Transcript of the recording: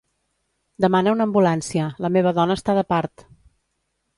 Demana una ambulància; la meva dona està de part.